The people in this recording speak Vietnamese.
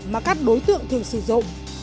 mà các đối tượng thường sử dụng